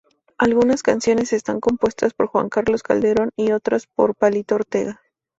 Algunas canciones están compuestas por Juan Carlos Calderón y otras por Palito Ortega.